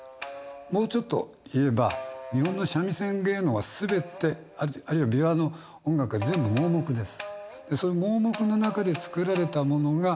もうちょっと言えば日本の三味線芸能は全てあるいは琵琶の音楽は全部盲目です。